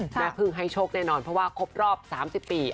แม่พึ่งให้โชคแน่นอนเพราะว่าครบรอบ๓๐ปี